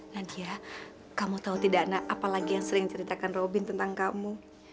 nadia kamu tahu tidak nak apalagi yang sering diceritakan robin tentang kamu